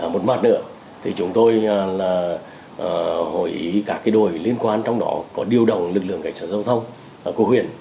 một mặt nữa thì chúng tôi là hội ý các đội liên quan trong đó có điều đồng lực lượng cảnh sát giao thông của huyện